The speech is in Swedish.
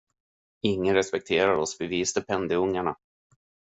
Ingen respekterar oss, för vi är stipendieungarna.